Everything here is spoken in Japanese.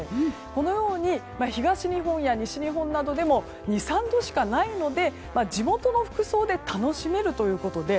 このように東日本や西日本などでも２３度しかないので地元の服装で楽しめるということで。